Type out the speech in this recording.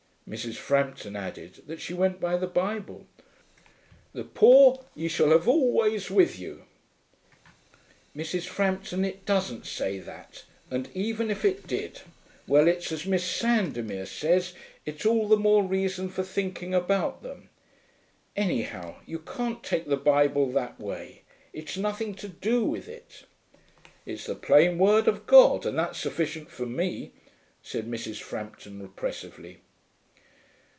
Mrs. Frampton added that she went by the Bible. 'The poor ye shall have always with you.' 'Mrs. Frampton, it doesn't say that. And even if it did well, it's as Miss Sandomir says, it's all the more reason for thinking about them. Anyhow, you can't take the Bible that way; it's nothing to do with it.' 'It's the plain word of God, and that's sufficient for me,' said Mrs. Frampton repressively.